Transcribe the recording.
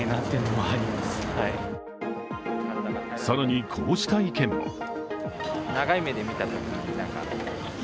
更に、こうした意見も。